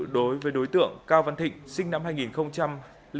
đối với đối tượng cao văn thịnh sinh năm hai nghìn bốn